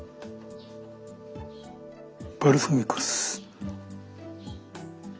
バルサミコ酢。